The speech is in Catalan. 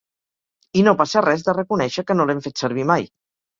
I no passa res de reconèixer que no l’hem fet servir mai.